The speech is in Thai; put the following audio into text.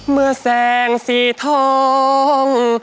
เมื่อแสงสีทอง